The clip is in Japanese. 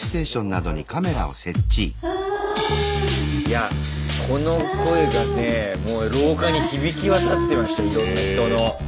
いやこの声がねもう廊下に響き渡ってましたいろんな人の。